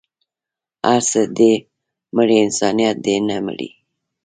هر څه دې مري انسانيت دې نه مري